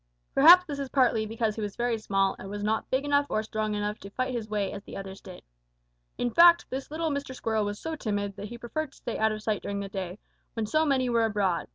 Perhaps this was partly because he was very small and was not big enough or strong enough to fight his way as the others did. In fact, this little Mr. Squirrel was so timid that he preferred to stay out of sight during the day, when so many were abroad.